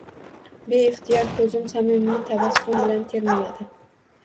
Beixtiyor koʻzim samimiy tabassum bilan termuladi